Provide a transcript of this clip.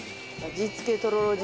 味付けとろろ汁。